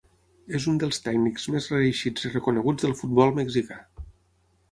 És un dels tècnics més reeixits i reconeguts del futbol mexicà.